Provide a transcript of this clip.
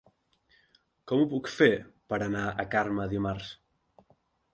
Com ho puc fer per anar a Carme dimarts?